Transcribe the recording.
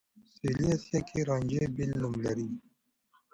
په سوېلي اسيا کې رانجه بېل نوم لري.